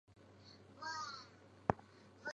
回程往观塘会继续途经秀明道。